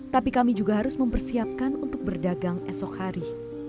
tapi kami juga harus mempersiapkan untuk berdagang esok hari